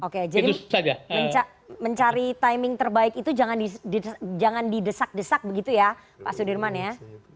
oke jadi mencari timing terbaik itu jangan didesak desak begitu ya pak sudirman ya